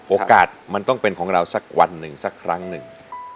โอกาสมันต้องเป็นของเราสักวันหนึ่งสักครั้งหนึ่ง